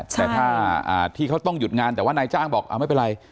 แต่ถ้าที่เขาต้องหยุดงานแต่ว่านายจ้างบอกไม่เป็นไร